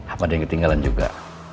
apa ada yang ketinggalan juga